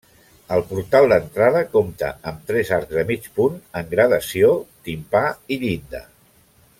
El portal d'entrada compta amb tres arcs de mig punt en gradació, timpà i llinda.